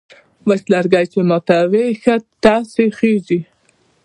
وچ لرگی چې ماتوې، ښه ټس یې خېژي.